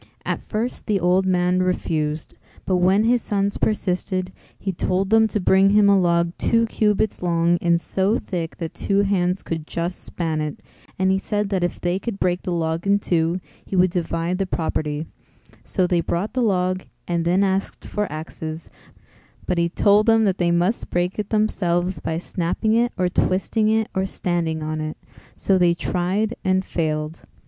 At first the old man refused, but when his sons persisted, he told them to bring him a log two cubits long and so thick that two hands could just span it, and he said that if they could break the log in two, he would divide the property; so they brought the log and then asked for axes, but he told them that they must break it themselves by snapping it or twisting it or standing on it; so they tried and failed.